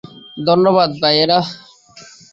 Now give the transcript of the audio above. ধন্যবাদ, ভাইয়েরা।